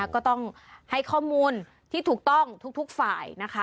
ก็ต้องให้ข้อมูลที่ถูกต้องทุกฝ่ายนะคะ